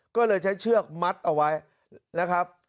ก็เลยใช้เชือกมัดเอาไว้นะครับ